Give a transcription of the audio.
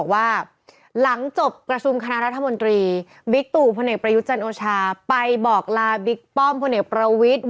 วันตรีวิกตุพลเนกประยุทธจันทร์โอชาไปบอกลาวิกป้อมพลเนกประวิทธ